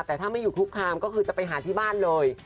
แต่ถ้าไม่อยู่คุกคามก็คือจะไปหาที่บ้านเลย